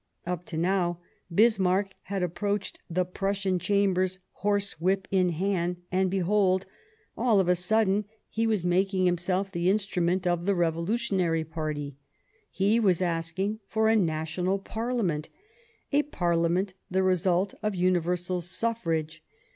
Up to now Bismarck had approached the Prus sian Chambers horsewhip in hand, and behold ! all of a sudden he was making himself the instrument of the revolutionary party ; he was asking for a National Parliament, a Parliament the result of universal suffrage.